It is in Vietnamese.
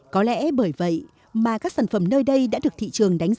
có lẽ bởi vậy mà các sản phẩm nơi đây đã được thị trường đánh giá